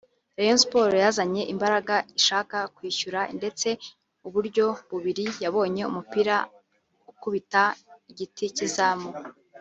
Rayon Sports yazanye imbaraga ishaka kwishyura ndetse uburyo bubiri yabonye umupira ukubita igiti cy’izamu